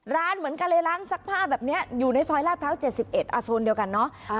ร้านเหมือนกันเลยร้านซักผ้าแบบนี้อยู่ในซอยลาดพร้าว๗๑โซนเดียวกันเนาะ